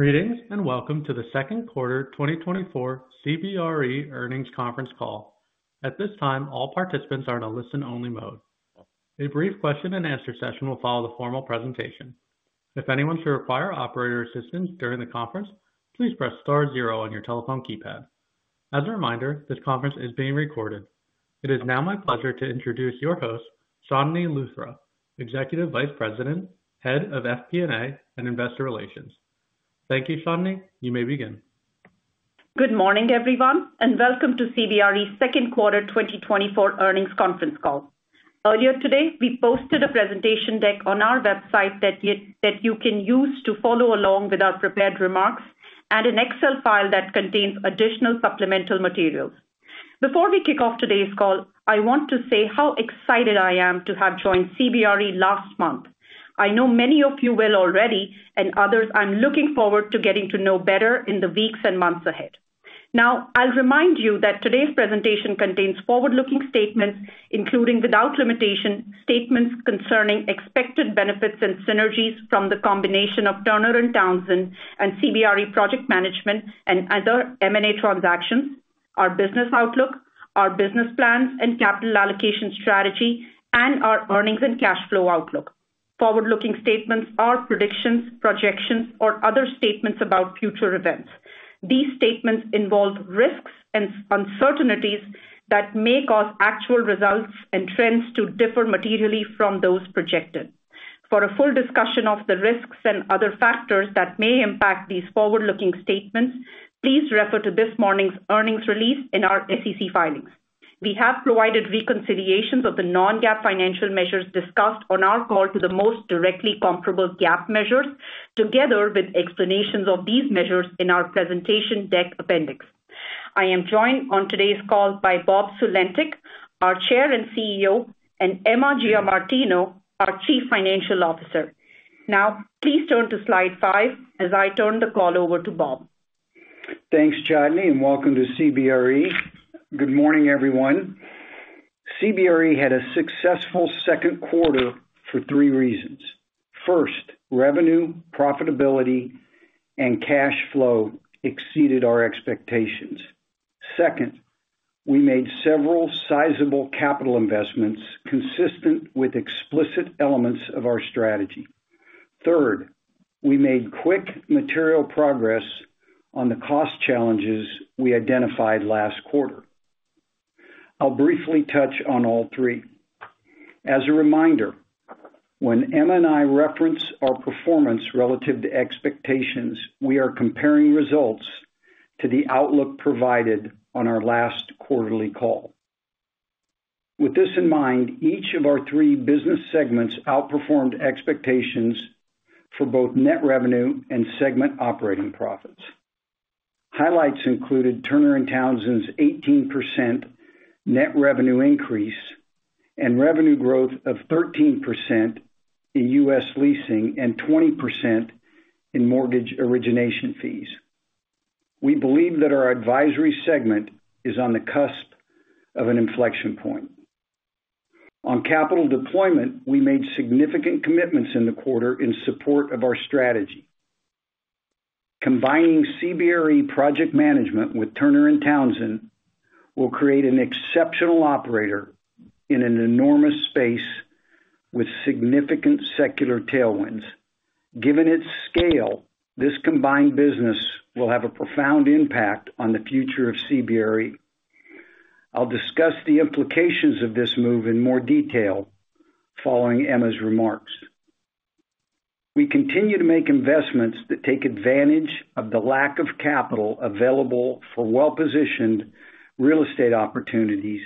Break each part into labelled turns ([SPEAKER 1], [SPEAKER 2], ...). [SPEAKER 1] Greetings and welcome to the second quarter 2024 CBRE Earnings Conference Call. At this time, all participants are in a listen-only mode. A brief question-and-answer session will follow the formal presentation. If anyone should require operator assistance during the conference, please press star zero on your telephone keypad. As a reminder, this conference is being recorded. It is now my pleasure to introduce your host, Chandni Luthra, Executive Vice President, Head of FP&A and Investor Relations. Thank you, Chandni. You may begin.
[SPEAKER 2] Good morning, everyone, and welcome to CBRE Second Quarter 2024 Earnings Conference Call. Earlier today, we posted a presentation deck on our website that you can use to follow along with our prepared remarks and an Excel file that contains additional supplemental materials. Before we kick off today's call, I want to say how excited I am to have joined CBRE last month. I know many of you will already, and others I'm looking forward to getting to know better in the weeks and months ahead. Now, I'll remind you that today's presentation contains forward-looking statements, including without limitation statements concerning expected benefits and synergies from the combination of Turner & Townsend and CBRE Project Management and other M&A transactions, our business outlook, our business plans and capital allocation strategy, and our earnings and cash flow outlook. Forward-looking statements are predictions, projections, or other statements about future events. These statements involve risks and uncertainties that may cause actual results and trends to differ materially from those projected. For a full discussion of the risks and other factors that may impact these forward-looking statements, please refer to this morning's earnings release in our SEC filings. We have provided reconciliations of the non-GAAP financial measures discussed on our call to the most directly comparable GAAP measures, together with explanations of these measures in our presentation deck appendix. I am joined on today's call by Bob Sulentic, our Chair and CEO, and Emma Giamartino, our Chief Financial Officer. Now, please turn to slide five as I turn the call over to Bob.
[SPEAKER 3] Thanks, Chandni, and welcome to CBRE. Good morning, everyone. CBRE had a successful second quarter for three reasons. First, revenue, profitability, and cash flow exceeded our expectations. Second, we made several sizable capital investments consistent with explicit elements of our strategy. Third, we made quick material progress on the cost challenges we identified last quarter. I'll briefly touch on all three. As a reminder, when Emma and I reference our performance relative to expectations, we are comparing results to the outlook provided on our last quarterly call. With this in mind, each of our three business segments outperformed expectations for both net revenue and segment operating profits. Highlights included Turner & Townsend's 18% net revenue increase and revenue growth of 13% in U.S. leasing and 20% in mortgage origination fees. We believe that our Advisory segment is on the cusp of an inflection point. On capital deployment, we made significant commitments in the quarter in support of our strategy. Combining CBRE Project Management with Turner & Townsend will create an exceptional operator in an enormous space with significant secular tailwinds. Given its scale, this combined business will have a profound impact on the future of CBRE. I'll discuss the implications of this move in more detail following Emma's remarks. We continue to make investments that take advantage of the lack of capital available for well-positioned real estate opportunities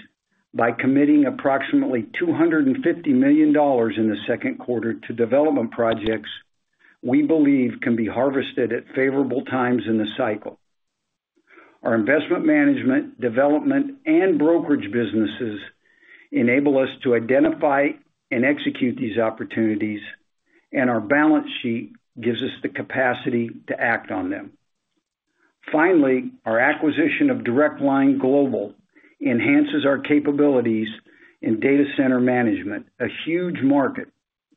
[SPEAKER 3] by committing approximately $250 million in the second quarter to development projects we believe can be harvested at favorable times in the cycle. Our investment management, development, and brokerage businesses enable us to identify and execute these opportunities, and our balance sheet gives us the capacity to act on them. Finally, our acquisition of Direct Line Global enhances our capabilities in data center management, a huge market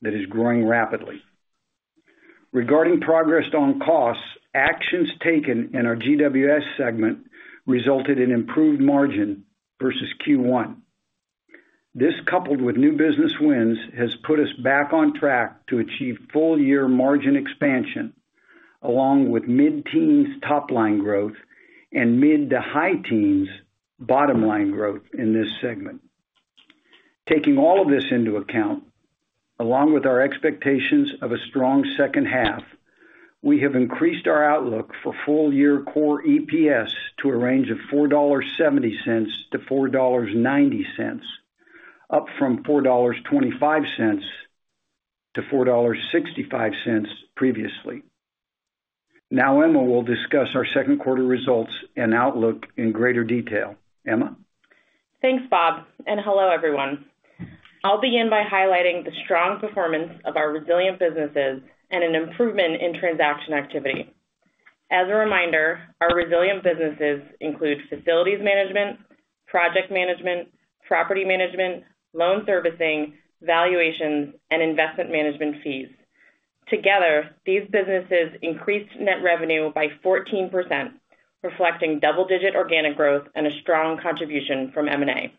[SPEAKER 3] that is growing rapidly. Regarding progress on costs, actions taken in our GWS segment resulted in improved margin versus Q1. This, coupled with new business wins, has put us back on track to achieve full-year margin expansion, along with mid-teens top-line growth and mid to high-teens bottom-line growth in this segment. Taking all of this into account, along with our expectations of a strong second half, we have increased our outlook for full-year core EPS to a range of $4.70-$4.90, up from $4.25-$4.65 previously. Now, Emma will discuss our second quarter results and outlook in greater detail. Emma?
[SPEAKER 4] Thanks, Bob. Hello, everyone. I'll begin by highlighting the strong performance of our resilient businesses and an improvement in transaction activity. As a reminder, our resilient businesses include facilities management, project management, property management, loan servicing, valuations, and investment management fees. Together, these businesses increased net revenue by 14%, reflecting double-digit organic growth and a strong contribution from M&A.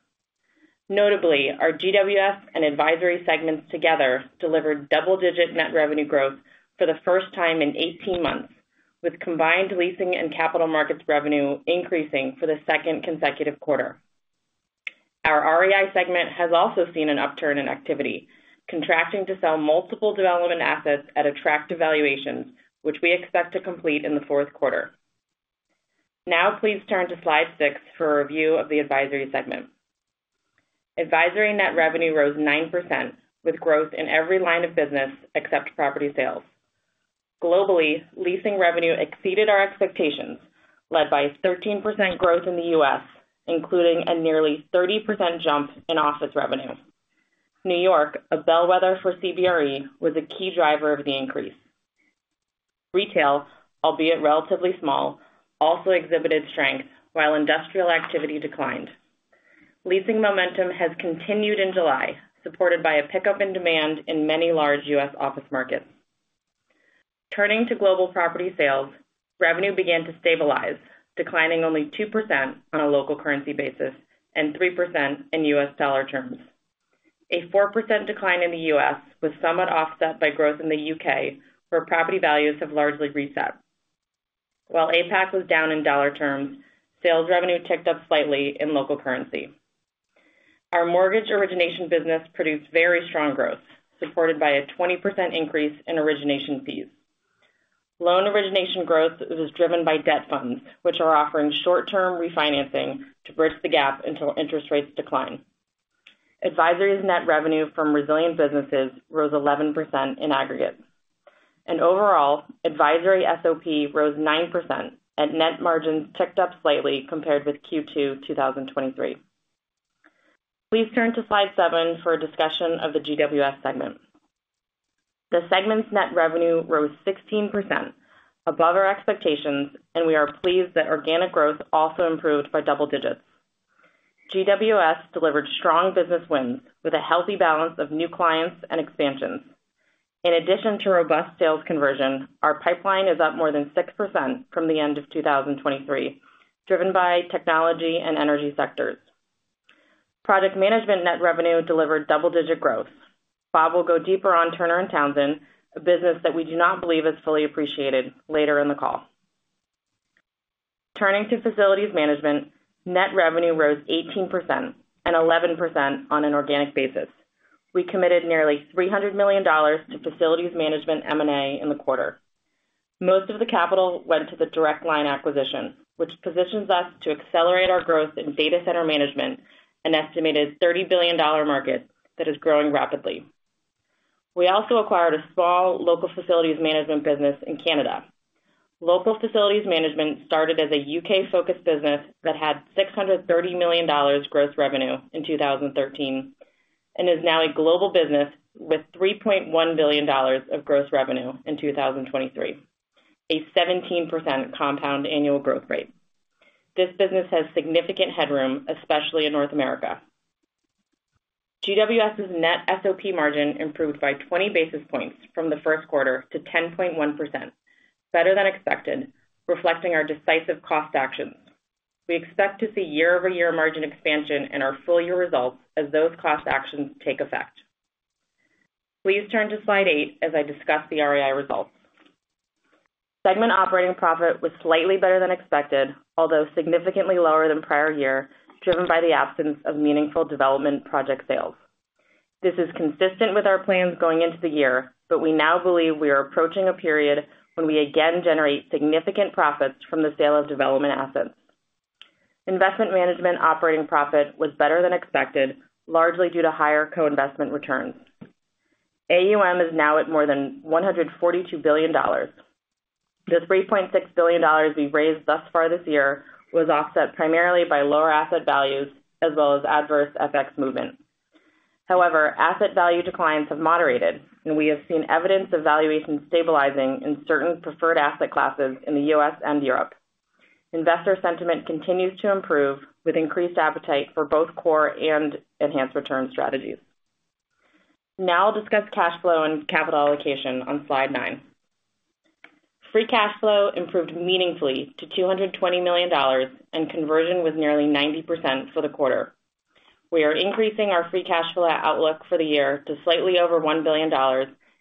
[SPEAKER 4] Notably, our GWS and Advisory segments together delivered double-digit net revenue growth for the first time in 18 months, with combined leasing and capital markets revenue increasing for the second consecutive quarter. Our REI segment has also seen an upturn in activity, contracting to sell multiple development assets at attractive valuations, which we expect to complete in the fourth quarter. Now, please turn to slide six for a review of the Advisory segment. Advisory net revenue rose 9%, with growth in every line of business except property sales. Globally, leasing revenue exceeded our expectations, led by 13% growth in the U.S., including a nearly 30% jump in office revenue. New York, a bellwether for CBRE, was a key driver of the increase. Retail, albeit relatively small, also exhibited strength, while industrial activity declined. Leasing momentum has continued in July, supported by a pickup in demand in many large U.S. office markets. Turning to global property sales, revenue began to stabilize, declining only 2% on a local currency basis and 3% in U.S. dollar terms. A 4% decline in the U.S. was somewhat offset by growth in the U.K., where property values have largely reset. While APAC was down in dollar terms, sales revenue ticked up slightly in local currency. Our mortgage origination business produced very strong growth, supported by a 20% increase in origination fees. Loan origination growth was driven by debt funds, which are offering short-term refinancing to bridge the gap until interest rates decline. Advisory's net revenue from resilient businesses rose 11% in aggregate. Overall, advisory SOP rose 9%, and net margins ticked up slightly compared with Q2 2023. Please turn to slide seven for a discussion of the GWS segment. The segment's net revenue rose 16%, above our expectations, and we are pleased that organic growth also improved by double digits. GWS delivered strong business wins with a healthy balance of new clients and expansions. In addition to robust sales conversion, our pipeline is up more than 6% from the end of 2023, driven by technology and energy sectors. Project management net revenue delivered double-digit growth. Bob will go deeper on Turner & Townsend, a business that we do not believe is fully appreciated later in the call. Turning to facilities management, net revenue rose 18% and 11% on an organic basis. We committed nearly $300 million to facilities management M&A in the quarter. Most of the capital went to the Direct Line acquisition, which positions us to accelerate our growth in data center management, an estimated $30 billion market that is growing rapidly. We also acquired a small Local Facilities Management business in Canada. Local Facilities Management started as a U.K.-focused business that had $630 million gross revenue in 2013 and is now a global business with $3.1 billion of gross revenue in 2023, a 17% compound annual growth rate. This business has significant headroom, especially in North America. GWS's net SOP margin improved by 20 basis points from the first quarter to 10.1%, better than expected, reflecting our decisive cost actions. We expect to see year-over-year margin expansion in our full-year results as those cost actions take effect. Please turn to slide eight as I discuss the REI results. Segment operating profit was slightly better than expected, although significantly lower than prior year, driven by the absence of meaningful development project sales. This is consistent with our plans going into the year, but we now believe we are approaching a period when we again generate significant profits from the sale of development assets. Investment management operating profit was better than expected, largely due to higher co-investment returns. AUM is now at more than $142 billion. The $3.6 billion we raised thus far this year was offset primarily by lower asset values as well as adverse FX movement. However, asset value declines have moderated, and we have seen evidence of valuation stabilizing in certain preferred asset classes in the U.S. and Europe. Investor sentiment continues to improve, with increased appetite for both core and enhanced return strategies. Now I'll discuss cash flow and capital allocation on slide nine. Free cash flow improved meaningfully to $220 million, and conversion was nearly 90% for the quarter. We are increasing our free cash flow outlook for the year to slightly over $1 billion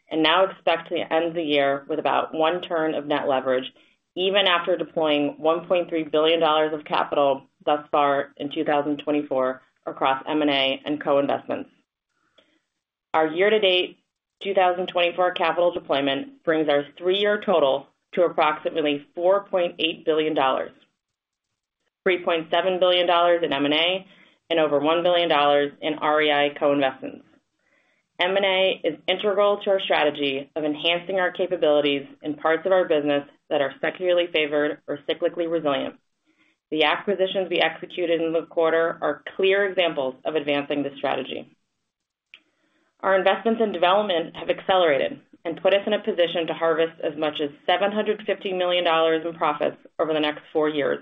[SPEAKER 4] and now expect to end the year with about one turn of net leverage, even after deploying $1.3 billion of capital thus far in 2024 across M&A and co-investments. Our year-to-date 2024 capital deployment brings our three-year total to approximately $4.8 billion: $3.7 billion in M&A and over $1 billion in REI co-investments. M&A is integral to our strategy of enhancing our capabilities in parts of our business that are secularly favored or cyclically resilient. The acquisitions we executed in the quarter are clear examples of advancing this strategy. Our investments in development have accelerated and put us in a position to harvest as much as $750 million in profits over the next four years.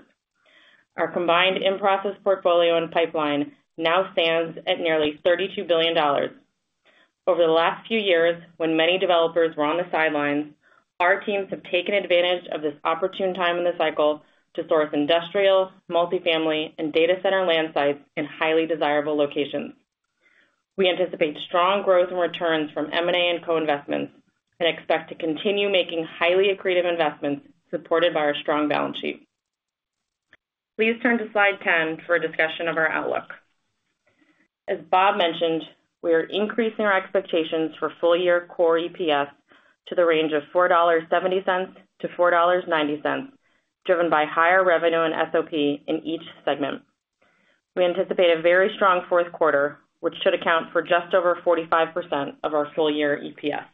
[SPEAKER 4] Our combined in-process portfolio and pipeline now stands at nearly $32 billion. Over the last few years, when many developers were on the sidelines, our teams have taken advantage of this opportune time in the cycle to source industrial, multifamily, and data center land sites in highly desirable locations. We anticipate strong growth and returns from M&A and co-investments and expect to continue making highly accretive investments supported by our strong balance sheet. Please turn to slide 10 for a discussion of our outlook. As Bob mentioned, we are increasing our expectations for full-year Core EPS to the range of $4.70-$4.90, driven by higher revenue and SOP in each segment. We anticipate a very strong fourth quarter, which should account for just over 45% of our full-year EPS.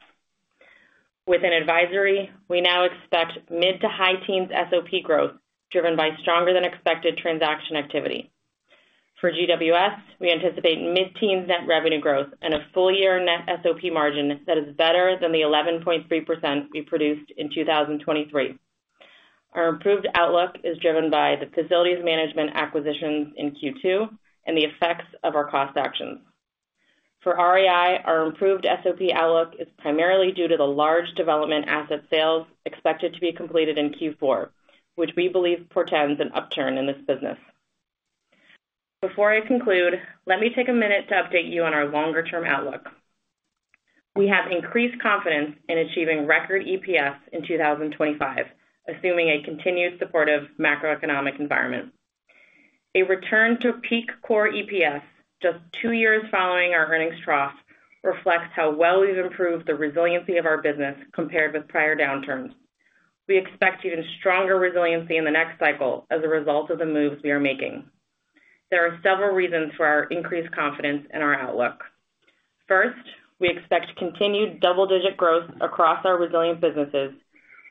[SPEAKER 4] Within Advisory, we now expect mid- to high-teens SOP growth driven by stronger-than-expected transaction activity. For GWS, we anticipate mid-teens net revenue growth and a full-year net SOP margin that is better than the 11.3% we produced in 2023. Our improved outlook is driven by the Facilities Management acquisitions in Q2 and the effects of our cost actions. For REI, our improved SOP outlook is primarily due to the large development asset sales expected to be completed in Q4, which we believe portends an upturn in this business. Before I conclude, let me take a minute to update you on our longer-term outlook. We have increased confidence in achieving record EPS in 2025, assuming a continued supportive macroeconomic environment. A return to peak Core EPS just two years following our earnings trough reflects how well we've improved the resiliency of our business compared with prior downturns. We expect even stronger resiliency in the next cycle as a result of the moves we are making. There are several reasons for our increased confidence in our outlook. First, we expect continued double-digit growth across our resilient businesses,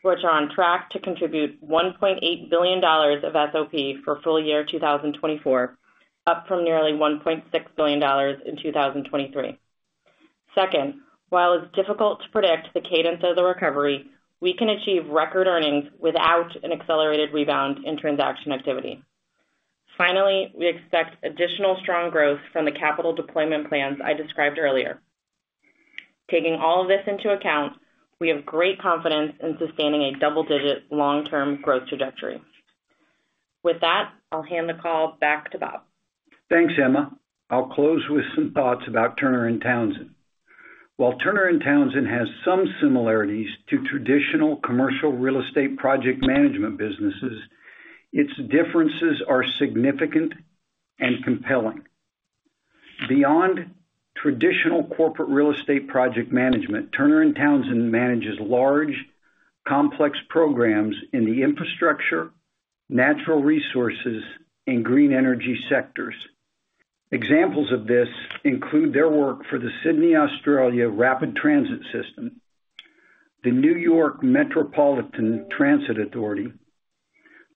[SPEAKER 4] which are on track to contribute $1.8 billion of SOP for full-year 2024, up from nearly $1.6 billion in 2023. Second, while it's difficult to predict the cadence of the recovery, we can achieve record earnings without an accelerated rebound in transaction activity. Finally, we expect additional strong growth from the capital deployment plans I described earlier. Taking all of this into account, we have great confidence in sustaining a double-digit long-term growth trajectory. With that, I'll hand the call back to Bob.
[SPEAKER 3] Thanks, Emma. I'll close with some thoughts about Turner & Townsend. While Turner & Townsend has some similarities to traditional commercial real estate project management businesses, its differences are significant and compelling. Beyond traditional corporate real estate project management, Turner & Townsend manages large, complex programs in the infrastructure, natural resources, and green energy sectors. Examples of this include their work for the Sydney, Australia Rapid Transit System, the New York Metropolitan Transit Authority,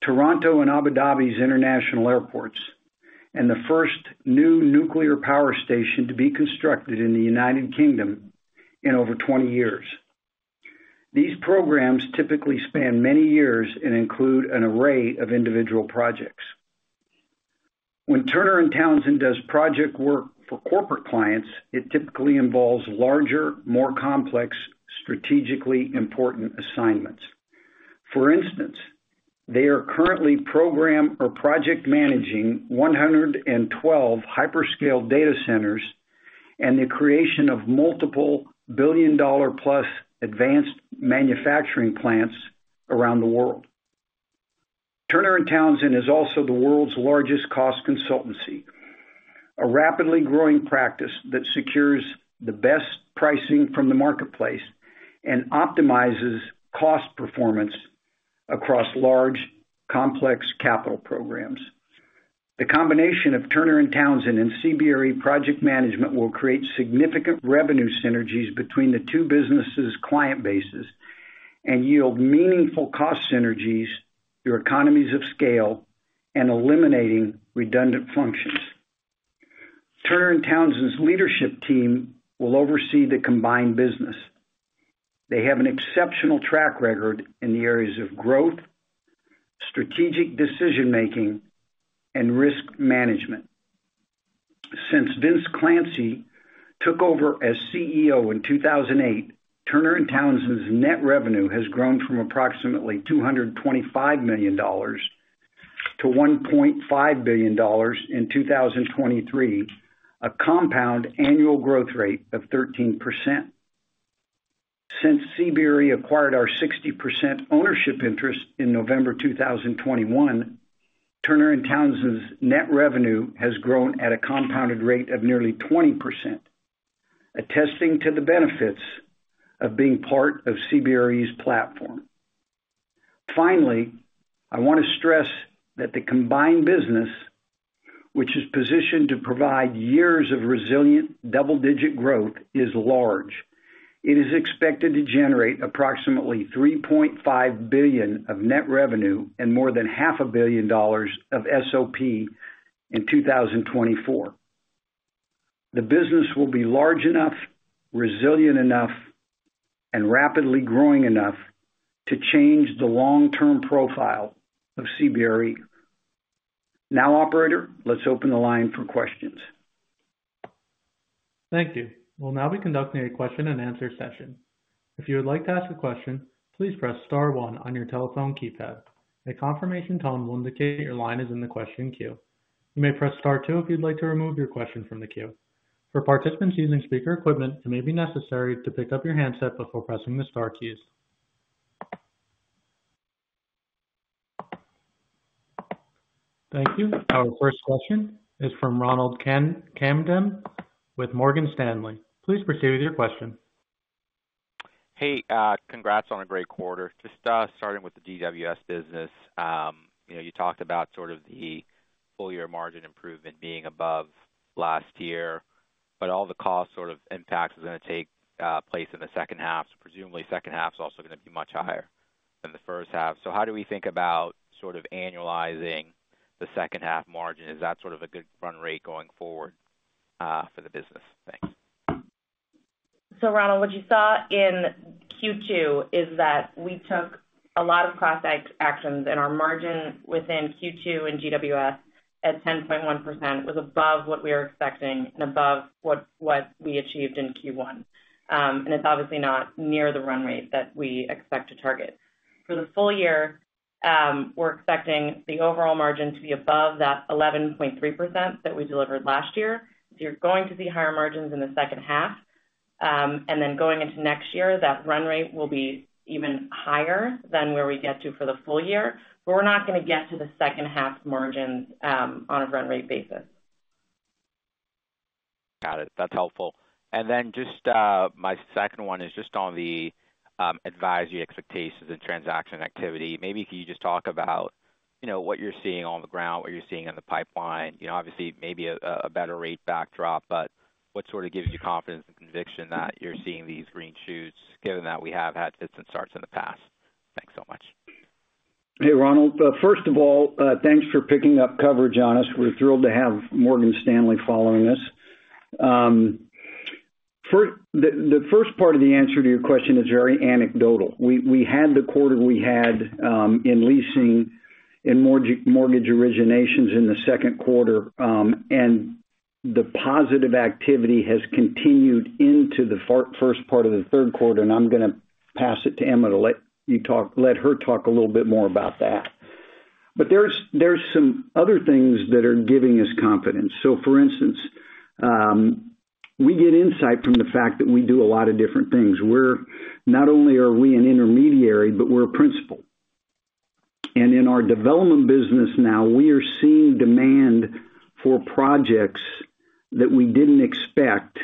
[SPEAKER 3] Toronto and Abu Dhabi's International Airports, and the first new nuclear power station to be constructed in the United Kingdom in over 20 years. These programs typically span many years and include an array of individual projects. When Turner & Townsend does project work for corporate clients, it typically involves larger, more complex, strategically important assignments. For instance, they are currently program or project managing 112 hyperscale data centers and the creation of multiple billion-dollar-plus advanced manufacturing plants around the world. Turner & Townsend is also the world's largest cost consultancy, a rapidly growing practice that secures the best pricing from the marketplace and optimizes cost performance across large, complex capital programs. The combination of Turner & Townsend and CBRE Project Management will create significant revenue synergies between the two businesses' client bases and yield meaningful cost synergies through economies of scale and eliminating redundant functions. Turner & Townsend's leadership team will oversee the combined business. They have an exceptional track record in the areas of growth, strategic decision-making, and risk management. Since Vince Clancy took over as CEO in 2008, Turner & Townsend's net revenue has grown from approximately $225 million to $1.5 billion in 2023, a compound annual growth rate of 13%. Since CBRE acquired our 60% ownership interest in November 2021, Turner & Townsend's net revenue has grown at a compounded rate of nearly 20%, attesting to the benefits of being part of CBRE's platform. Finally, I want to stress that the combined business, which is positioned to provide years of resilient double-digit growth, is large. It is expected to generate approximately $3.5 billion of net revenue and more than $500 million of SOP in 2024. The business will be large enough, resilient enough, and rapidly growing enough to change the long-term profile of CBRE. Now, Operator, let's open the line for questions.
[SPEAKER 1] Thank you. We'll now be conducting a question-and-answer session. If you would like to ask a question, please press Star 1 on your telephone keypad. A confirmation tone will indicate your line is in the question queue. You may press Star 2 if you'd like to remove your question from the queue. For participants using speaker equipment, it may be necessary to pick up your handset before pressing the Star keys. Thank you. Our first question is from Ronald Kamdem with Morgan Stanley. Please proceed with your question.
[SPEAKER 5] Hey, congrats on a great quarter. Just starting with the GWS business, you talked about sort of the full-year margin improvement being above last year, but all the cost sort of impacts are going to take place in the second half. Presumably, the second half is also going to be much higher than the first half. So how do we think about sort of annualizing the second half margin? Is that sort of a good run rate going forward for the business? Thanks.
[SPEAKER 4] So, Ronald, what you saw in Q2 is that we took a lot of cost actions, and our margin within Q2 in GWS at 10.1% was above what we were expecting and above what we achieved in Q1. And it's obviously not near the run rate that we expect to target. For the full year, we're expecting the overall margin to be above that 11.3% that we delivered last year. So you're going to see higher margins in the second half. And then going into next year, that run rate will be even higher than where we get to for the full year. But we're not going to get to the second half margins on a run rate basis.
[SPEAKER 5] Got it. That's helpful. And then just my second one is just on the advisory expectations and transaction activity. Maybe can you just talk about what you're seeing on the ground, what you're seeing in the pipeline? Obviously, maybe a better rate backdrop, but what sort of gives you confidence and conviction that you're seeing these green shoots, given that we have had fits and starts in the past? Thanks so much.
[SPEAKER 3] Hey, Ronald. First of all, thanks for picking up coverage on us. We're thrilled to have Morgan Stanley following us. The first part of the answer to your question is very anecdotal. We had the quarter we had in leasing and mortgage originations in the second quarter, and the positive activity has continued into the first part of the third quarter. And I'm going to pass it to Emma to let her talk a little bit more about that. But there's some other things that are giving us confidence. So for instance, we get insight from the fact that we do a lot of different things. Not only are we an intermediary, but we're a principal. And in our development business now, we are seeing demand for projects that we didn't expect,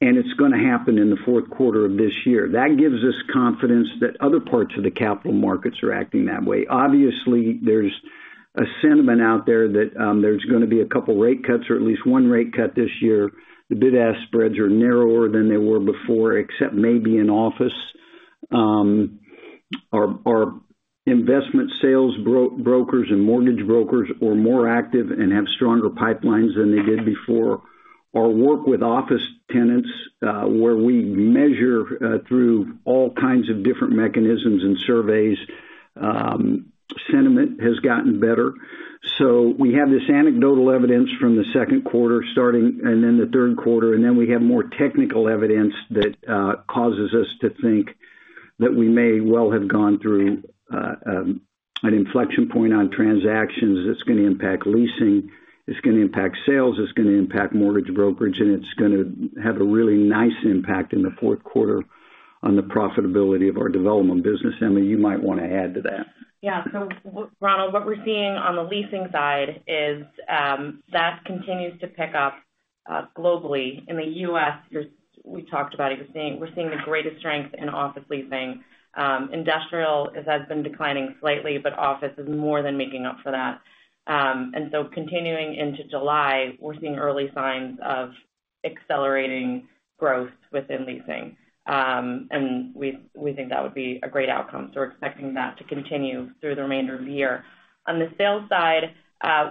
[SPEAKER 3] and it's going to happen in the fourth quarter of this year. That gives us confidence that other parts of the capital markets are acting that way. Obviously, there's a sentiment out there that there's going to be a couple of rate cuts or at least one rate cut this year. The bid-ask spreads are narrower than they were before, except maybe in office. Our investment sales brokers and mortgage brokers are more active and have stronger pipelines than they did before. Our work with office tenants, where we measure through all kinds of different mechanisms and surveys, sentiment has gotten better. So we have this anecdotal evidence from the second quarter starting and then the third quarter, and then we have more technical evidence that causes us to think that we may well have gone through an inflection point on transactions that's going to impact leasing, it's going to impact sales, it's going to impact mortgage brokerage, and it's going to have a really nice impact in the fourth quarter on the profitability of our development business. Emma, you might want to add to that.
[SPEAKER 4] Yeah. So Ronald, what we're seeing on the leasing side is that continues to pick up globally. In the U.S., we talked about we're seeing the greatest strength in office leasing. Industrial has been declining slightly, but office is more than making up for that. And so continuing into July, we're seeing early signs of accelerating growth within leasing. And we think that would be a great outcome. So we're expecting that to continue through the remainder of the year. On the sales side,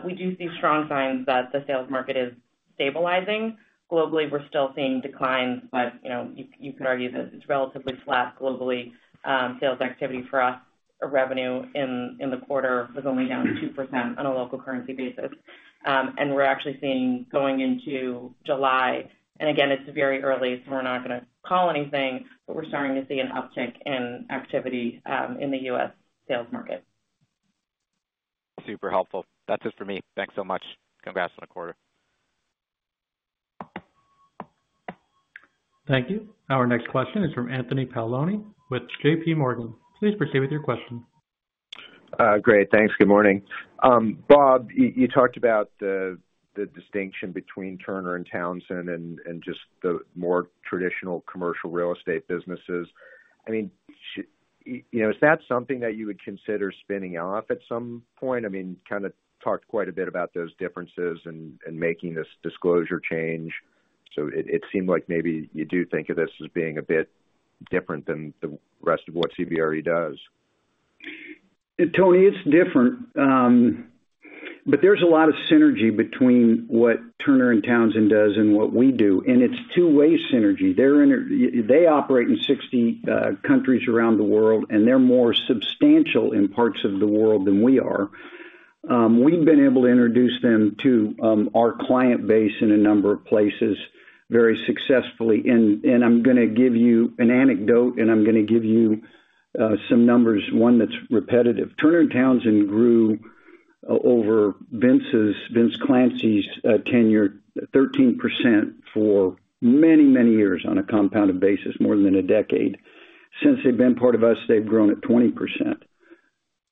[SPEAKER 4] we do see strong signs that the sales market is stabilizing. Globally, we're still seeing declines, but you could argue that it's relatively flat globally. Sales activity for us, our revenue in the quarter was only down 2% on a local currency basis. We're actually seeing going into July, and again, it's very early, so we're not going to call anything, but we're starting to see an uptick in activity in the U.S. sales market.
[SPEAKER 5] Super helpful. That's it for me. Thanks so much. Congrats on the quarter.
[SPEAKER 1] Thank you. Our next question is from Anthony Paolone with J.P. Morgan. Please proceed with your question.
[SPEAKER 6] Great. Thanks. Good morning. Bob, you talked about the distinction between Turner & Townsend and just the more traditional commercial real estate businesses. I mean, is that something that you would consider spinning off at some point? I mean, kind of talked quite a bit about those differences and making this disclosure change. So it seemed like maybe you do think of this as being a bit different than the rest of what CBRE does.
[SPEAKER 3] Tony, it's different. But there's a lot of synergy between what Turner & Townsend does and what we do. And it's two-way synergy. They operate in 60 countries around the world, and they're more substantial in parts of the world than we are. We've been able to introduce them to our client base in a number of places very successfully. And I'm going to give you an anecdote, and I'm going to give you some numbers, one that's repetitive. Turner & Townsend grew over Vince Clancy's tenure 13% for many, many years on a compounded basis, more than a decade. Since they've been part of us, they've grown at 20%.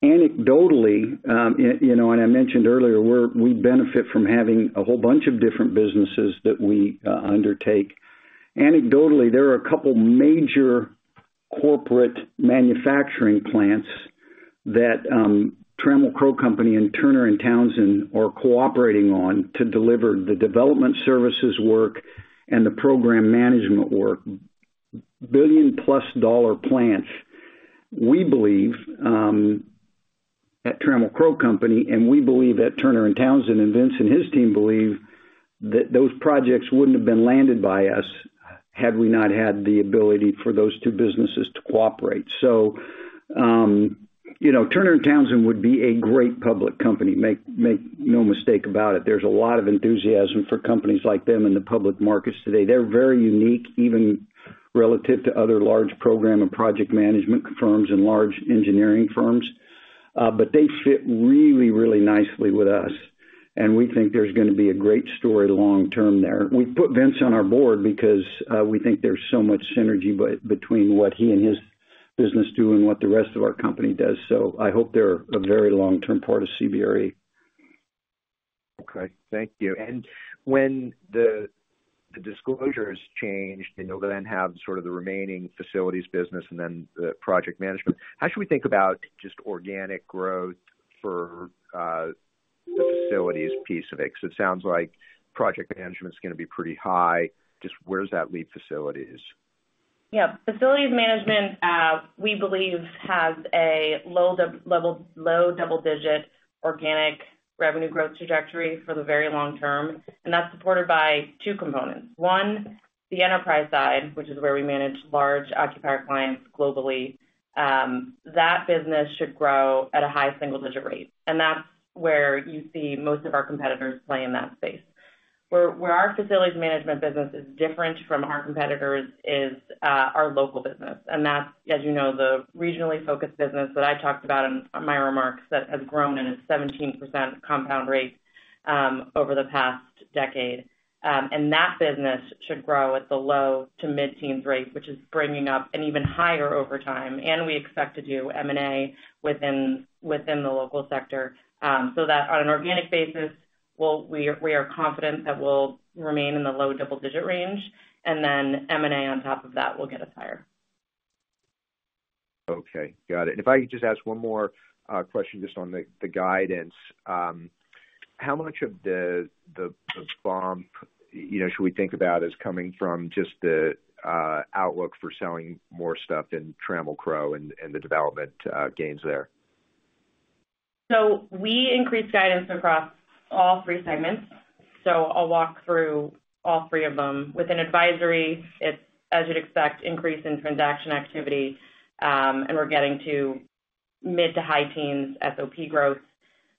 [SPEAKER 3] Anecdotally, and I mentioned earlier, we benefit from having a whole bunch of different businesses that we undertake. Anecdotally, there are a couple of major corporate manufacturing plants that Trammell Crow Company and Turner & Townsend are cooperating on to deliver the development services work and the program management work, $1 billion+ plants. We believe at Trammell Crow Company, and we believe at Turner & Townsend, and Vince and his team believe that those projects wouldn't have been landed by us had we not had the ability for those two businesses to cooperate. So Turner & Townsend would be a great public company, make no mistake about it. There's a lot of enthusiasm for companies like them in the public markets today. They're very unique, even relative to other large program and project management firms and large engineering firms. But they fit really, really nicely with us. And we think there's going to be a great story long-term there. We put Vince on our board because we think there's so much synergy between what he and his business do and what the rest of our company does. So I hope they're a very long-term part of CBRE.
[SPEAKER 6] Okay. Thank you. And when the disclosure is changed, and you'll then have sort of the remaining facilities business and then the project management, how should we think about just organic growth for the facilities piece of it? Because it sounds like project management is going to be pretty high. Just where does that leave facilities?
[SPEAKER 4] Yeah. Facilities management, we believe, has a low double-digit organic revenue growth trajectory for the very long term. And that's supported by two components. One, the enterprise side, which is where we manage large occupier clients globally. That business should grow at a high single-digit rate. And that's where you see most of our competitors play in that space. Where our facilities management business is different from our competitors is our local business. And that's, as you know, the regionally focused business that I talked about in my remarks that has grown at a 17% compound rate over the past decade. And that business should grow at the low to mid-teens rate, which is bringing up an even higher over time. And we expect to do M&A within the local sector so that on an organic basis, we are confident that we'll remain in the low double-digit range. And then M&A on top of that will get us higher.
[SPEAKER 6] Okay. Got it. And if I could just ask one more question just on the guidance. How much of the bump should we think about as coming from just the outlook for selling more stuff in Trammell Crow and the development gains there?
[SPEAKER 4] So we increase guidance across all three segments. So I'll walk through all three of them. Within Advisory, it's, as you'd expect, increase in transaction activity. And we're getting to mid- to high-teens SOP growth.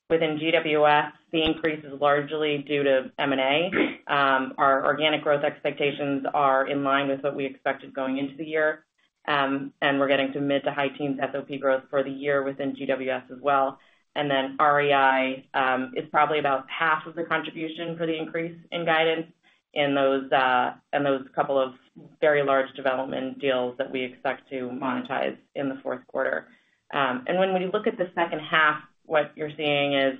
[SPEAKER 4] Within GWS, the increase is largely due to M&A. Our organic growth expectations are in line with what we expected going into the year. And we're getting to mid- to high-teens SOP growth for the year within GWS as well. And then REI is probably about half of the contribution for the increase in guidance in those couple of very large development deals that we expect to monetize in the fourth quarter. And when we look at the second half, what you're seeing is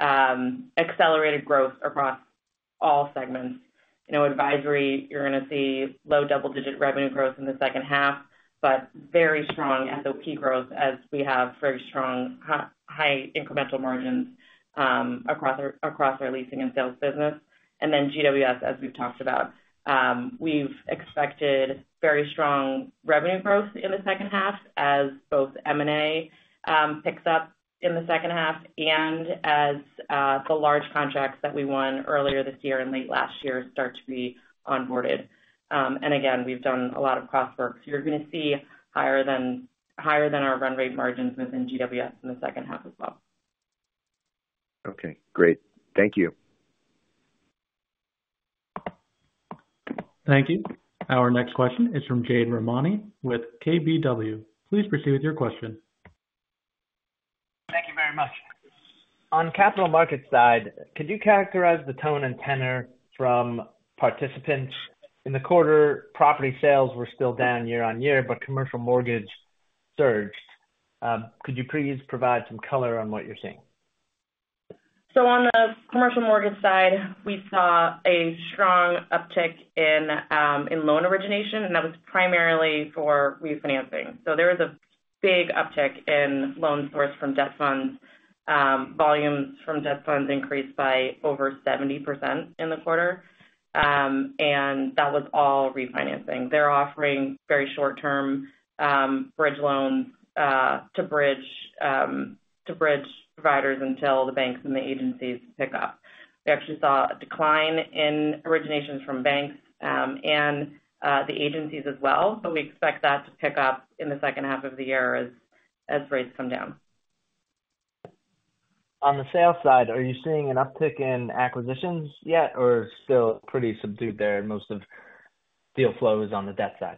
[SPEAKER 4] accelerated growth across all segments. Advisory, you're going to see low double-digit revenue growth in the second half, but very strong SOP growth as we have very strong high incremental margins across our leasing and sales business. And then GWS, as we've talked about, we've expected very strong revenue growth in the second half as both M&A picks up in the second half and as the large contracts that we won earlier this year and late last year start to be onboarded. And again, we've done a lot of cross-work. So you're going to see higher than our run rate margins within GWS in the second half as well.
[SPEAKER 6] Okay. Great. Thank you.
[SPEAKER 1] Thank you. Our next question is from Jade Rahmani with KBW. Please proceed with your question.
[SPEAKER 7] Thank you very much. On capital markets side, could you characterize the tone and tenor from participants? In the quarter, property sales were still down year-over-year, but commercial mortgage surged. Could you please provide some color on what you're seeing?
[SPEAKER 4] On the commercial mortgage side, we saw a strong uptick in loan origination, and that was primarily for refinancing. There was a big uptick in loans sourced from debt funds. Volumes from debt funds increased by over 70% in the quarter. That was all refinancing. They're offering very short-term bridge loans to borrowers until the banks and the agencies pick up. We actually saw a decline in originations from banks and the agencies as well. We expect that to pick up in the second half of the year as rates come down.
[SPEAKER 7] On the sales side, are you seeing an uptick in acquisitions yet, or still pretty subdued there? Most of the deal flow is on the debt side.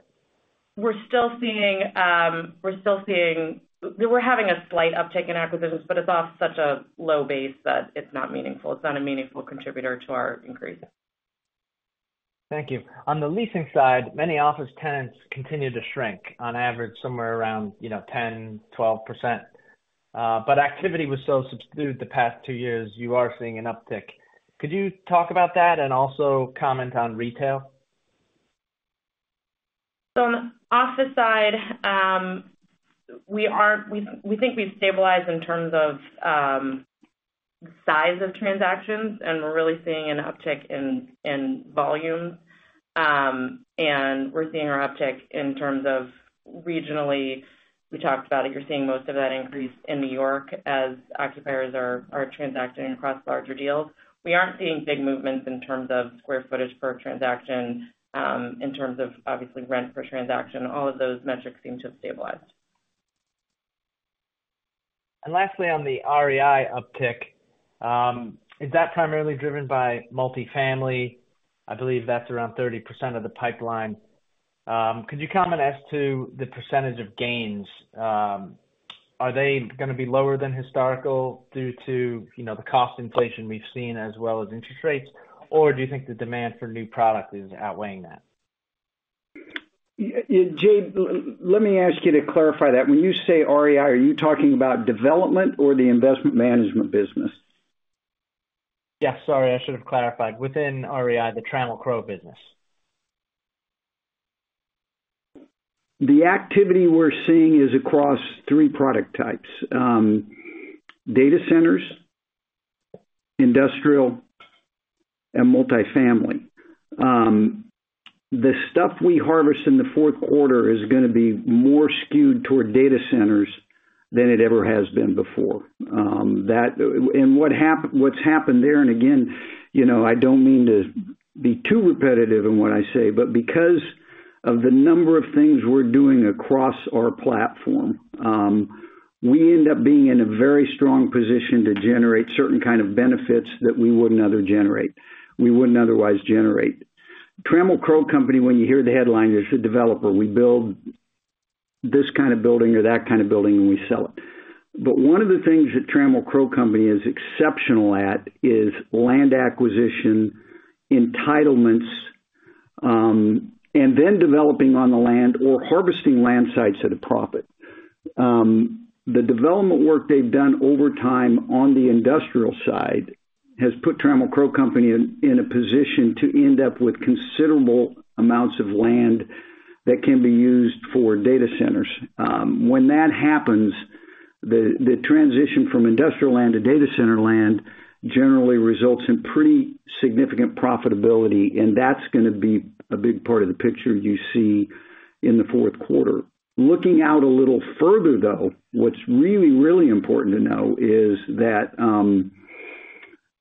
[SPEAKER 4] We're still seeing a slight uptick in acquisitions, but it's off such a low base that it's not meaningful. It's not a meaningful contributor to our increase.
[SPEAKER 7] Thank you. On the leasing side, many office tenants continue to shrink on average somewhere around 10%-12%. But activity was so subdued the past two years, you are seeing an uptick. Could you talk about that and also comment on retail?
[SPEAKER 4] On the office side, we think we've stabilized in terms of size of transactions, and we're really seeing an uptick in volumes. We're seeing our uptick in terms of regionally. We talked about it. You're seeing most of that increase in New York as occupiers are transacting across larger deals. We aren't seeing big movements in terms of square footage per transaction, in terms of obviously rent per transaction. All of those metrics seem to have stabilized.
[SPEAKER 7] And lastly, on the REI uptick, is that primarily driven by multifamily? I believe that's around 30% of the pipeline. Could you comment as to the percentage of gains? Are they going to be lower than historical due to the cost inflation we've seen as well as interest rates, or do you think the demand for new product is outweighing that?
[SPEAKER 3] Jade, let me ask you to clarify that. When you say REI, are you talking about development or the investment management business?
[SPEAKER 7] Yes. Sorry, I should have clarified. Within REI, the Trammell Crow business.
[SPEAKER 3] The activity we're seeing is across three product types: data centers, industrial, and multifamily. The stuff we harvest in the fourth quarter is going to be more skewed toward data centers than it ever has been before. And what's happened there, and again, I don't mean to be too repetitive in what I say, but because of the number of things we're doing across our platform, we end up being in a very strong position to generate certain kind of benefits that we wouldn't other generate. We wouldn't otherwise generate. Trammell Crow Company, when you hear the headline, there's a developer. We build this kind of building or that kind of building and we sell it. But one of the things that Trammell Crow Company is exceptional at is land acquisition, entitlements, and then developing on the land or harvesting land sites at a profit. The development work they've done over time on the industrial side has put Trammell Crow Company in a position to end up with considerable amounts of land that can be used for data centers. When that happens, the transition from industrial land to data center land generally results in pretty significant profitability. That's going to be a big part of the picture you see in the fourth quarter. Looking out a little further, though, what's really, really important to know is that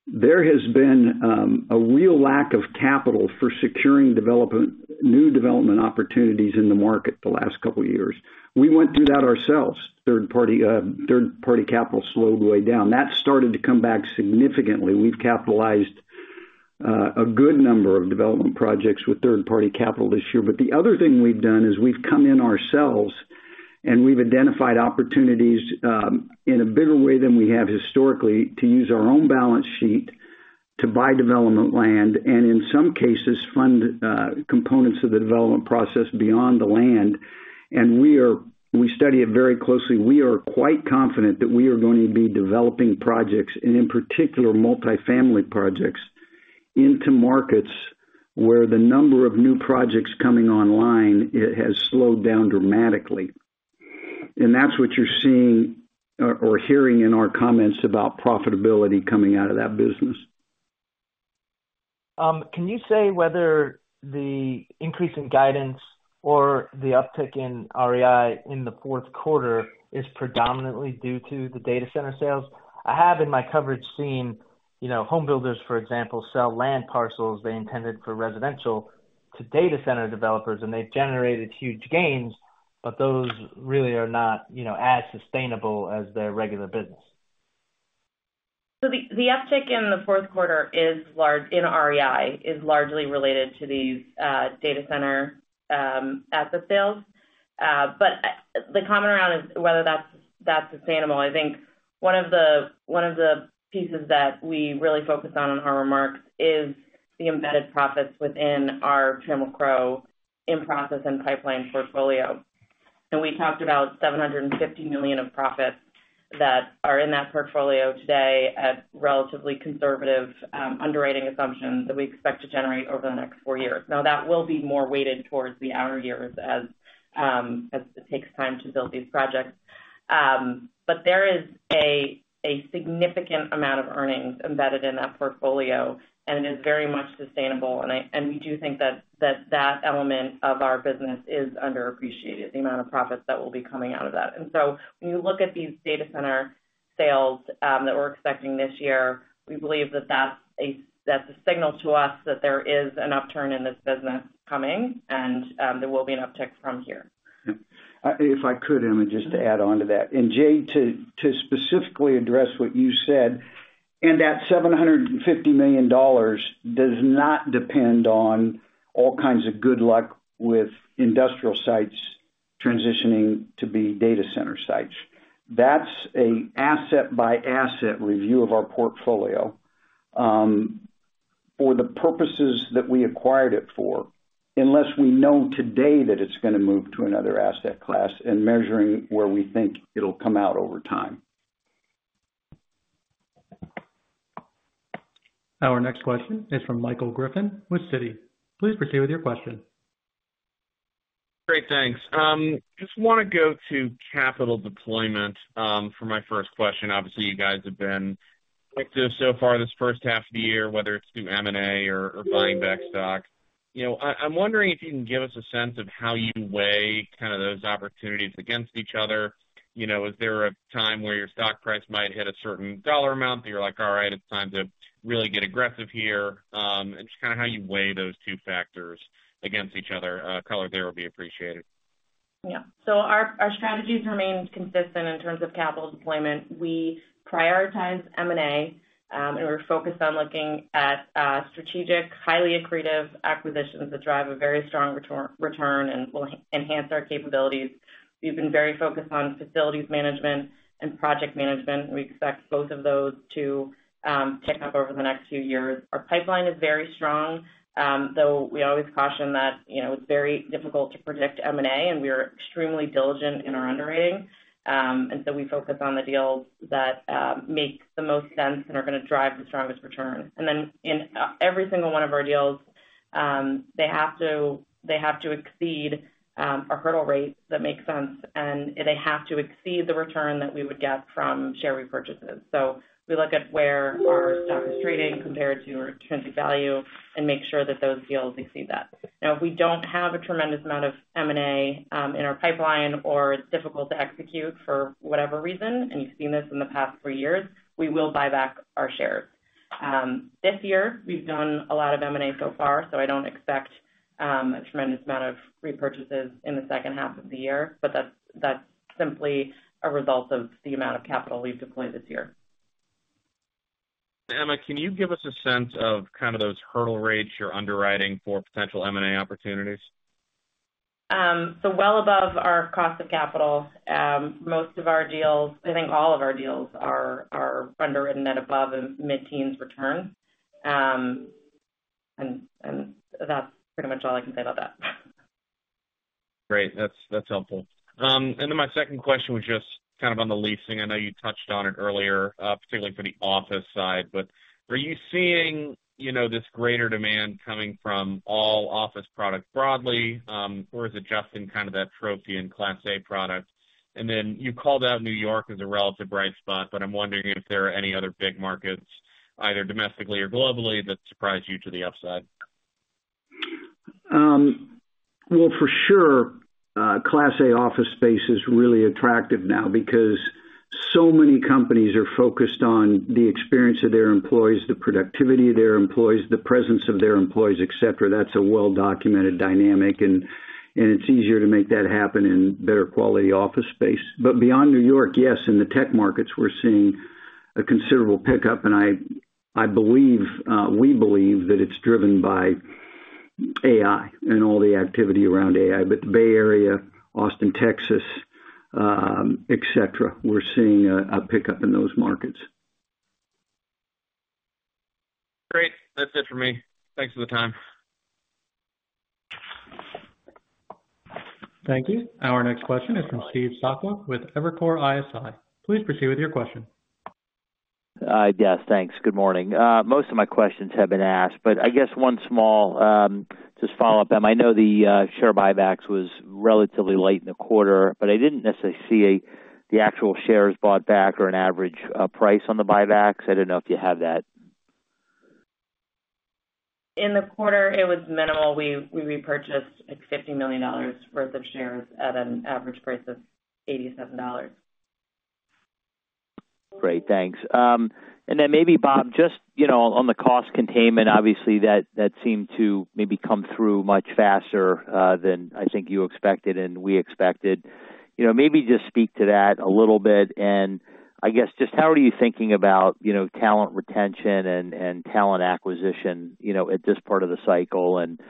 [SPEAKER 3] there has been a real lack of capital for securing new development opportunities in the market the last couple of years. We went through that ourselves. Third-party capital slowed way down. That started to come back significantly. We've capitalized a good number of development projects with third-party capital this year. But the other thing we've done is we've come in ourselves and we've identified opportunities in a bigger way than we have historically to use our own balance sheet to buy development land and, in some cases, fund components of the development process beyond the land. And we study it very closely. We are quite confident that we are going to be developing projects, and in particular, multifamily projects into markets where the number of new projects coming online has slowed down dramatically. And that's what you're seeing or hearing in our comments about profitability coming out of that business.
[SPEAKER 7] Can you say whether the increase in guidance or the uptick in REI in the fourth quarter is predominantly due to the data center sales? I have in my coverage seen homebuilders, for example, sell land parcels they intended for residential to data center developers, and they've generated huge gains, but those really are not as sustainable as their regular business.
[SPEAKER 4] So the uptick in the fourth quarter in REI is largely related to these data center asset sales. But the common ground is whether that's sustainable. I think one of the pieces that we really focus on in our remarks is the embedded profits within our Trammell Crow in-process and pipeline portfolio. And we talked about $750 million of profits that are in that portfolio today at relatively conservative underwriting assumptions that we expect to generate over the next four years. Now, that will be more weighted towards the outer years as it takes time to build these projects. But there is a significant amount of earnings embedded in that portfolio, and it is very much sustainable. And we do think that that element of our business is underappreciated, the amount of profits that will be coming out of that. And so when you look at these data center sales that we're expecting this year, we believe that that's a signal to us that there is an upturn in this business coming and there will be an uptick from here.
[SPEAKER 3] If I could, Emma, just to add on to that. And Jade, to specifically address what you said, and that $750 million does not depend on all kinds of good luck with industrial sites transitioning to be data center sites. That's an asset-by-asset review of our portfolio for the purposes that we acquired it for, unless we know today that it's going to move to another asset class and measuring where we think it'll come out over time.
[SPEAKER 1] Our next question is from Michael Griffin with Citi. Please proceed with your question.
[SPEAKER 8] Great. Thanks. Just want to go to capital deployment for my first question. Obviously, you guys have been active so far this first half of the year, whether it's through M&A or buying back stock. I'm wondering if you can give us a sense of how you weigh kind of those opportunities against each other. Is there a time where your stock price might hit a certain dollar amount that you're like, "All right, it's time to really get aggressive here," and just kind of how you weigh those two factors against each other? Color there would be appreciated.
[SPEAKER 4] Yeah. So our strategies remain consistent in terms of capital deployment. We prioritize M&A, and we're focused on looking at strategic, highly accretive acquisitions that drive a very strong return and will enhance our capabilities. We've been very focused on facilities management and project management. We expect both of those to tick up over the next few years. Our pipeline is very strong, though we always caution that it's very difficult to predict M&A, and we are extremely diligent in our underwriting. And so we focus on the deals that make the most sense and are going to drive the strongest return. And then in every single one of our deals, they have to exceed our hurdle rate that makes sense, and they have to exceed the return that we would get from share repurchases. So we look at where our stock is trading compared to our intrinsic value and make sure that those deals exceed that. Now, if we don't have a tremendous amount of M&A in our pipeline or it's difficult to execute for whatever reason, and you've seen this in the past four years, we will buy back our shares. This year, we've done a lot of M&A so far, so I don't expect a tremendous amount of repurchases in the second half of the year, but that's simply a result of the amount of capital we've deployed this year.
[SPEAKER 8] Emma, can you give us a sense of kind of those hurdle rates you're underwriting for potential M&A opportunities?
[SPEAKER 4] Well above our cost of capital. Most of our deals, I think all of our deals, are underwritten at above and mid-teens return. That's pretty much all I can say about that.
[SPEAKER 8] Great. That's helpful. And then my second question was just kind of on the leasing. I know you touched on it earlier, particularly for the office side, but are you seeing this greater demand coming from all office products broadly, or is it just in kind of that trophy and Class A product? And then you called out New York as a relative bright spot, but I'm wondering if there are any other big markets, either domestically or globally, that surprise you to the upside.
[SPEAKER 3] Well, for sure, Class A office space is really attractive now because so many companies are focused on the experience of their employees, the productivity of their employees, the presence of their employees, etc. That's a well-documented dynamic, and it's easier to make that happen in better quality office space. But beyond New York, yes, in the tech markets, we're seeing a considerable pickup, and I believe we believe that it's driven by AI and all the activity around AI. But the Bay Area, Austin, Texas, etc., we're seeing a pickup in those markets.
[SPEAKER 8] Great. That's it for me. Thanks for the time.
[SPEAKER 1] Thank you. Our next question is from Steve Sakwa with Evercore ISI. Please proceed with your question.
[SPEAKER 9] Yes. Thanks. Good morning. Most of my questions have been asked, but I guess one small just follow-up, Emma. I know the share buybacks was relatively late in the quarter, but I didn't necessarily see the actual shares bought back or an average price on the buybacks. I don't know if you have that.
[SPEAKER 4] In the quarter, it was minimal. We repurchased $50 million worth of shares at an average price of $87.
[SPEAKER 9] Great. Thanks. And then maybe, Bob, just on the cost containment, obviously, that seemed to maybe come through much faster than I think you expected and we expected. Maybe just speak to that a little bit. And I guess just how are you thinking about talent retention and talent acquisition at this part of the cycle, and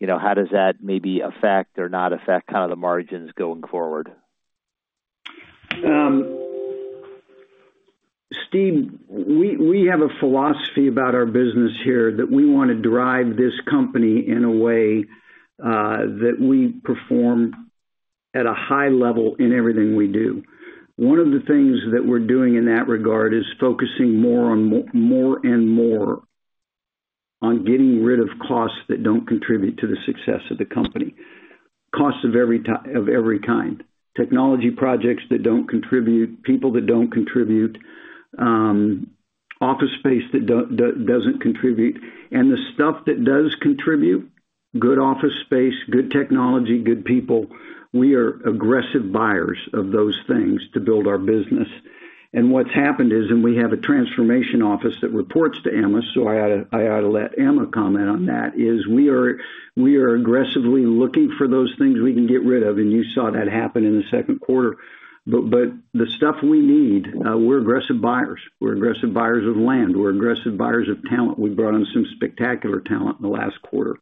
[SPEAKER 9] how does that maybe affect or not affect kind of the margins going forward?
[SPEAKER 3] Steve, we have a philosophy about our business here that we want to drive this company in a way that we perform at a high level in everything we do. One of the things that we're doing in that regard is focusing more and more on getting rid of costs that don't contribute to the success of the company. Costs of every kind. Technology projects that don't contribute, people that don't contribute, office space that doesn't contribute. And the stuff that does contribute, good office space, good technology, good people, we are aggressive buyers of those things to build our business. And what's happened is, and we have a transformation office that reports to Emma, so I ought to let Emma comment on that, is we are aggressively looking for those things we can get rid of, and you saw that happen in the second quarter. But the stuff we need, we're aggressive buyers. We're aggressive buyers of land. We're aggressive buyers of talent. We brought in some spectacular talent in the last quarter.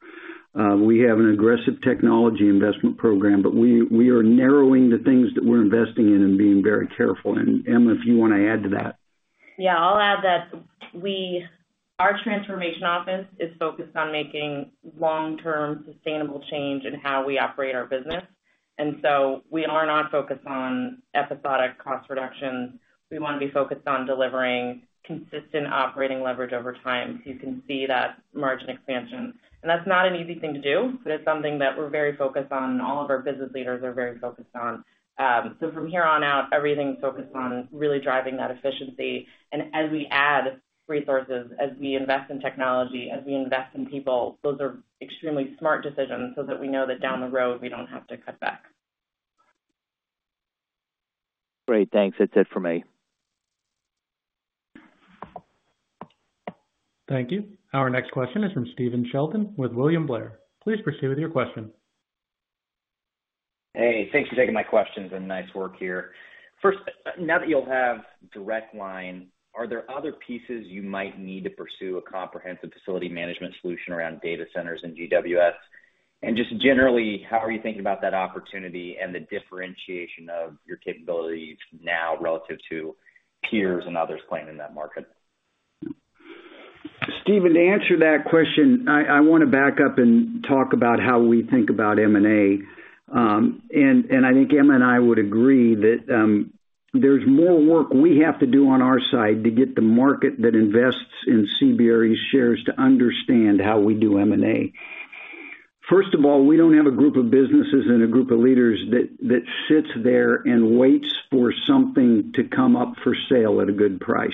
[SPEAKER 3] We have an aggressive technology investment program, but we are narrowing the things that we're investing in and being very careful. And Emma, if you want to add to that.
[SPEAKER 4] Yeah. I'll add that our transformation office is focused on making long-term sustainable change in how we operate our business. And so we are not focused on episodic cost reductions. We want to be focused on delivering consistent operating leverage over time so you can see that margin expansion. And that's not an easy thing to do, but it's something that we're very focused on, and all of our business leaders are very focused on. So from here on out, everything's focused on really driving that efficiency. And as we add resources, as we invest in technology, as we invest in people, those are extremely smart decisions so that we know that down the road, we don't have to cut back.
[SPEAKER 9] Great. Thanks. That's it for me.
[SPEAKER 1] Thank you. Our next question is from Stephen Sheldon with William Blair. Please proceed with your question.
[SPEAKER 10] Hey. Thanks for taking my questions and nice work here. First, now that you'll have Direct Line, are there other pieces you might need to pursue a comprehensive facility management solution around data centers in GWS? And just generally, how are you thinking about that opportunity and the differentiation of your capabilities now relative to peers and others playing in that market?
[SPEAKER 3] Steve, to answer that question, I want to back up and talk about how we think about M&A. I think Emma and I would agree that there's more work we have to do on our side to get the market that invests in CBRE shares to understand how we do M&A. First of all, we don't have a group of businesses and a group of leaders that sits there and waits for something to come up for sale at a good price.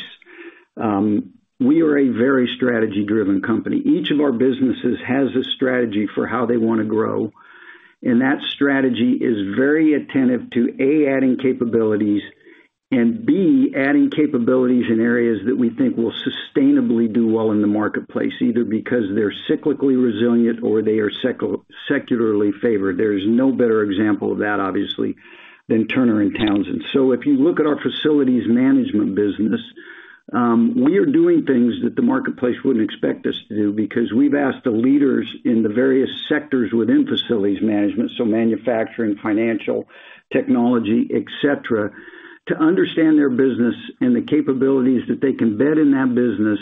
[SPEAKER 3] We are a very strategy-driven company. Each of our businesses has a strategy for how they want to grow. That strategy is very attentive to, A, adding capabilities, and, B, adding capabilities in areas that we think will sustainably do well in the marketplace, either because they're cyclically resilient or they are secularly favored. There is no better example of that, obviously, than Turner & Townsend. So if you look at our facilities management business, we are doing things that the marketplace wouldn't expect us to do because we've asked the leaders in the various sectors within facilities management, so manufacturing, financial, technology, etc., to understand their business and the capabilities that they can bet in that business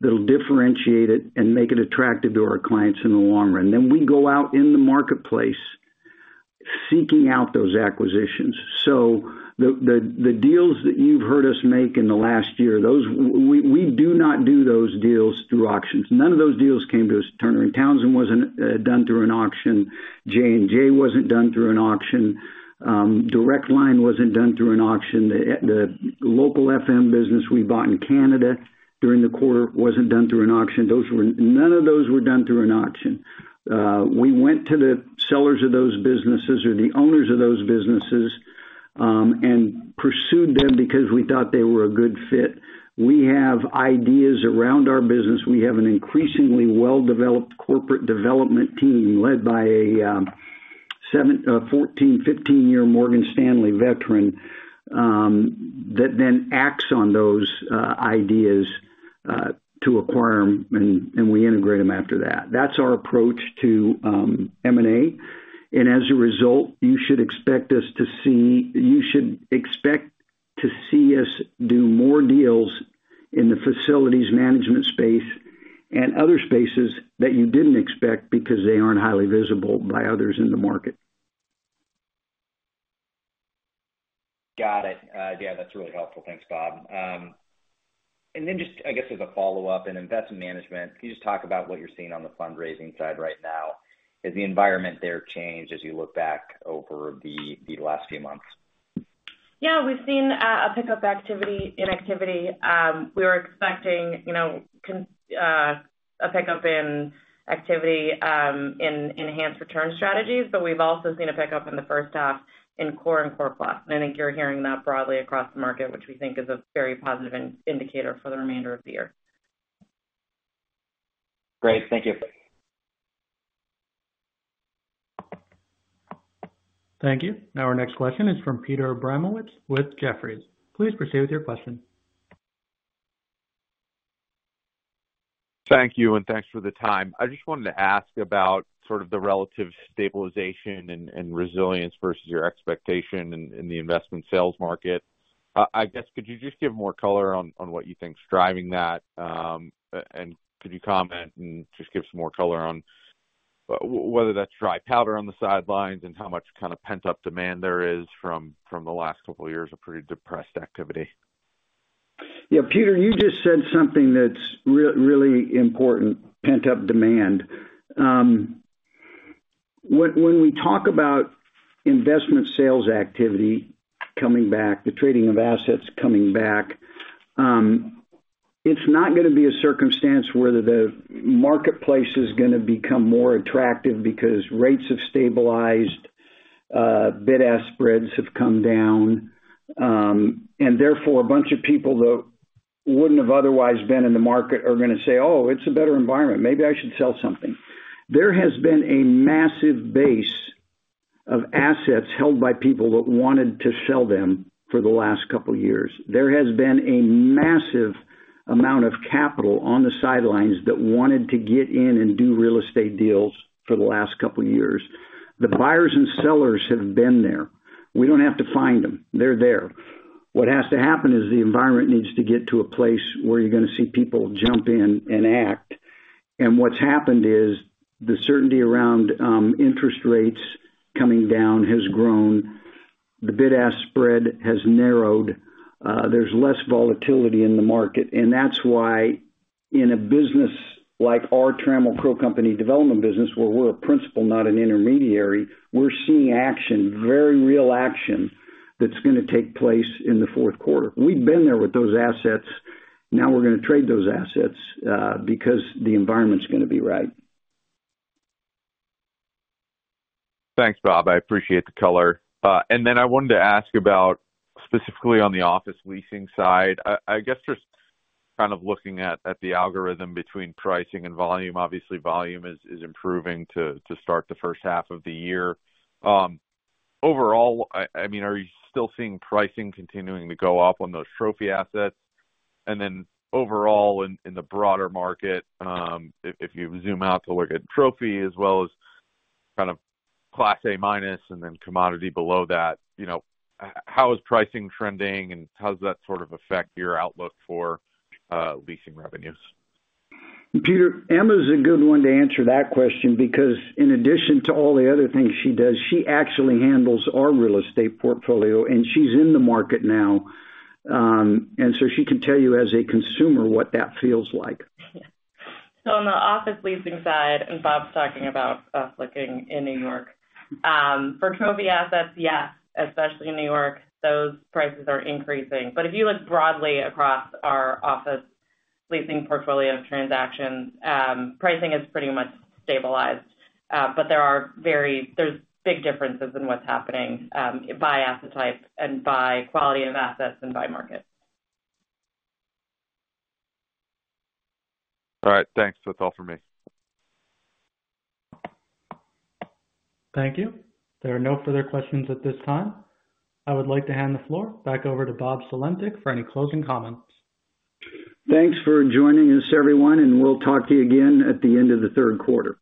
[SPEAKER 3] that'll differentiate it and make it attractive to our clients in the long run. Then we go out in the marketplace seeking out those acquisitions. So the deals that you've heard us make in the last year, we do not do those deals through auctions. None of those deals came to us. Turner & Townsend wasn't done through an auction. J&J wasn't done through an auction. Direct Line wasn't done through an auction. The local FM business we bought in Canada during the quarter wasn't done through an auction. None of those were done through an auction. We went to the sellers of those businesses or the owners of those businesses and pursued them because we thought they were a good fit. We have ideas around our business. We have an increasingly well-developed corporate development team led by a 14- or 15-year Morgan Stanley veteran that then acts on those ideas to acquire them, and we integrate them after that. That's our approach to M&A. As a result, you should expect to see us do more deals in the facilities management space and other spaces that you didn't expect because they aren't highly visible by others in the market.
[SPEAKER 10] Got it. Yeah. That's really helpful. Thanks, Bob. And then just, I guess, as a follow-up in investment management, can you just talk about what you're seeing on the fundraising side right now? Has the environment there changed as you look back over the last few months?
[SPEAKER 4] Yeah. We've seen a pickup in activity. We were expecting a pickup in activity in enhanced return strategies, but we've also seen a pickup in the first half in core and core plus. And I think you're hearing that broadly across the market, which we think is a very positive indicator for the remainder of the year.
[SPEAKER 10] Great. Thank you.
[SPEAKER 1] Thank you. Our next question is from Peter Abramowitz with Jefferies. Please proceed with your question.
[SPEAKER 11] Thank you, and thanks for the time. I just wanted to ask about sort of the relative stabilization and resilience versus your expectation in the investment sales market. I guess, could you just give more color on what you think's driving that? Could you comment and just give some more color on whether that's dry powder on the sidelines and how much kind of pent-up demand there is from the last couple of years of pretty depressed activity?
[SPEAKER 3] Yeah. Peter, you just said something that's really important, pent-up demand. When we talk about investment sales activity coming back, the trading of assets coming back, it's not going to be a circumstance where the marketplace is going to become more attractive because rates have stabilized, bid-ask spreads have come down, and therefore, a bunch of people that wouldn't have otherwise been in the market are going to say, "Oh, it's a better environment. Maybe I should sell something." There has been a massive base of assets held by people that wanted to sell them for the last couple of years. There has been a massive amount of capital on the sidelines that wanted to get in and do real estate deals for the last couple of years. The buyers and sellers have been there. We don't have to find them. They're there. What has to happen is the environment needs to get to a place where you're going to see people jump in and act. And what's happened is the certainty around interest rates coming down has grown. The bid-ask spread has narrowed. There's less volatility in the market. And that's why in a business like our Trammell Crow Company development business, where we're a principal, not an intermediary, we're seeing action, very real action that's going to take place in the fourth quarter. We've been there with those assets. Now we're going to trade those assets because the environment's going to be right.
[SPEAKER 11] Thanks, Bob. I appreciate the color. And then I wanted to ask about specifically on the office leasing side. I guess just kind of looking at the equilibrium between pricing and volume, obviously, volume is improving to start the first half of the year. Overall, I mean, are you still seeing pricing continuing to go up on those trophy assets? And then overall, in the broader market, if you zoom out to look at trophy as well as kind of Class A minus and then commodity below that, how is pricing trending, and how does that sort of affect your outlook for leasing revenues?
[SPEAKER 3] Peter, Emma's a good one to answer that question because in addition to all the other things she does, she actually handles our real estate portfolio, and she's in the market now. And so she can tell you as a consumer what that feels like.
[SPEAKER 4] So on the office leasing side, and Bob's talking about us looking in New York, for trophy assets, yes, especially in New York, those prices are increasing. But if you look broadly across our office leasing portfolio of transactions, pricing has pretty much stabilized. But there are very big differences in what's happening by asset type and by quality of assets and by market.
[SPEAKER 11] All right. Thanks. That's all for me.
[SPEAKER 1] Thank you. There are no further questions at this time. I would like to hand the floor back over to Bob Sulentic for any closing comments.
[SPEAKER 3] Thanks for joining us, everyone, and we'll talk to you again at the end of the third quarter.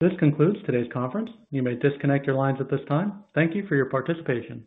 [SPEAKER 1] This concludes today's conference. You may disconnect your lines at this time. Thank you for your participation.